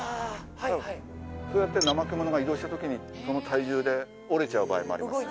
はいはいそうやってナマケモノが移動した時にその体重で折れちゃう場合もあります